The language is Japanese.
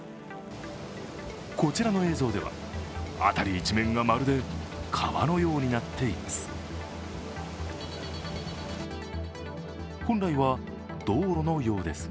こちらの映像では辺り一面がまるで川のようになっています。